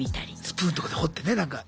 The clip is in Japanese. スプーンとかで掘ってねなんか。